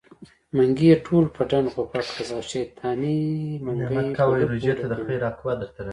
منګي يې ټول په ډنډ غوپه کړم د شيطانۍ منګی په لپو ډکوينه